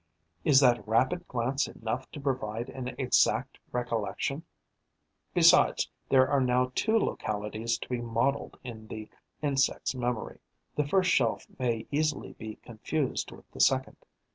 Is that rapid glance enough to provide an exact recollection? Besides, there are now two localities to be modelled in the insect's memory: the first shelf may easily be confused with the second.